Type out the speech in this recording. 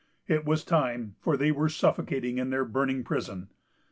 It was time, for they were suffocating in their burning prison.